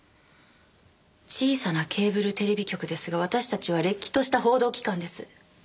小さなケーブルテレビ局ですが私たちはれっきとした報道機関です。